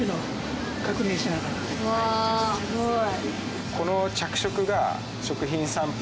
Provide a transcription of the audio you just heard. すごい。